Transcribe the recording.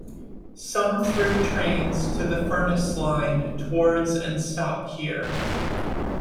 Some through trains to the Furness Line towards and stop here.